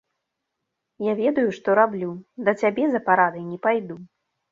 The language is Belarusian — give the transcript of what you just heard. Я ведаю, што раблю, да цябе за парадай не пайду.